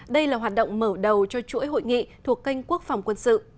đây là hoạt động mở đầu cho chuỗi hội nghị thuộc kênh quốc phòng quân sự